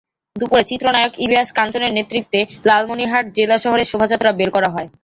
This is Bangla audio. দুপুরে চিত্রনায়কইলিয়াস কাঞ্চনের নেতৃত্বে লালমনিরহাট জেলা শহরে শোভাযাত্রা বের করা হয়।